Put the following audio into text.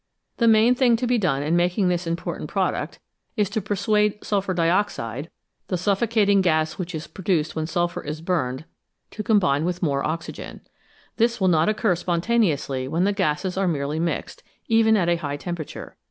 The main thing to be done in making this important product is to persuade sulphur dioxide the 330 SMALL CAUSES; GREAT EFFECTS suffocating gas which is produced when sulphur is burned to combine with more oxygen. This will not occur spontaneously when the gases are merely mixed, even at a high temperature.